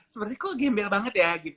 seperti kok gembel banget ya gitu